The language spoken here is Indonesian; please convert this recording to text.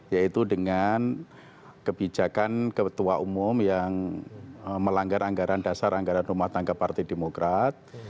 yaitu dengan kebijakan ketua umum yang melanggar anggaran dasar anggaran rumah tangga partai demokrat